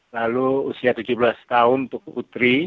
lalu usia tujuh belas tahun untuk putri